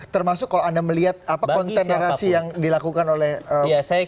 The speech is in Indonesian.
termasuk kalau anda melihat kontenerasi yang dilakukan oleh habib bahar ini